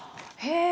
へえ。